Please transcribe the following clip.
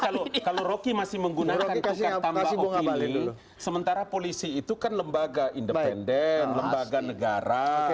jadi kalau rocky masih menggunakan tukar tambah opini sementara polisi itu kan lembaga independen lembaga negara